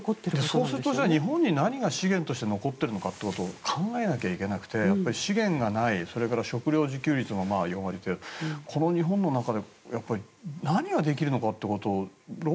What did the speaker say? そうすると日本に何が資源として残っているのかと考えないといけなくて資源がない、それから食糧自給率が４割程度この日本の中で何ができるのかを。